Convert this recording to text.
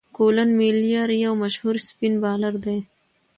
کولن میلیر یو مشهور سپېن بالر دئ.